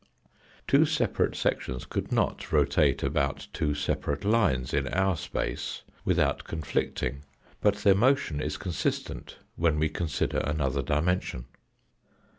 Two separate sections could not rotate about two separate lines in our space without conflicting, but their motion is consistent when we consider another dimension.